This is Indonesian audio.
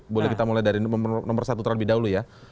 boleh kita mulai dari nomor satu terlebih dahulu ya